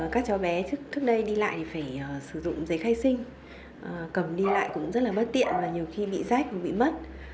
các cháu bé trước đây đi lại thì phải sử dụng giấy khai sinh cầm đi lại cũng rất là bất tiện và nhiều khi bị rách và bị mất